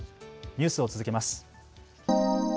ニュースを続けます。